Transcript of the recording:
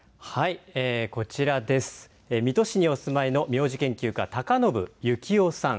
こちら水戸市にお住まいの名字研究家、高信幸男さん。